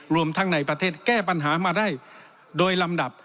รวมทั้งในประเทศแก้ปัญหามาได้โดยลำดับ